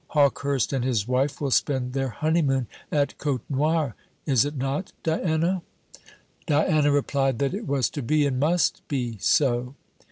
"Hawkehurst and his wife will spend their honeymoon at Côtenoir; is it not, Diana?" Diana replied that it was to be, and must be so.